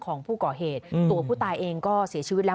ของผู้ก่อเหตุตัวผู้ตายเองก็เสียชีวิตแล้ว